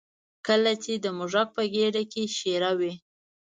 کله چې د موږک په ګېډه کې شېره وي.